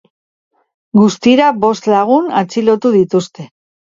Guztira, bost lagun atxilotu dituzte.